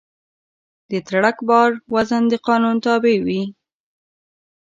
د ټرک بار وزن د قانون تابع وي.